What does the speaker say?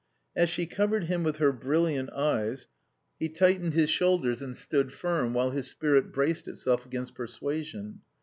As she covered him with her brilliant eyes he tightened his shoulders and stood firm, while his spirit braced itself against persuasion.